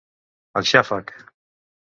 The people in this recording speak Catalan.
El xàfec.